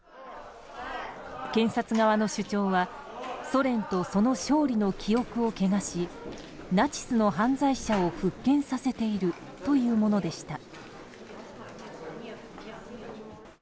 検察側の主張はソ連と、その勝利の記憶を汚しナチスの犯罪者を復権させているというものでした。